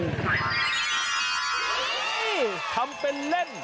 นี่ทำเป็นเล่น